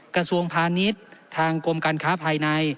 กระทรวงพาณิชย์ทางกรมการค้าภายใน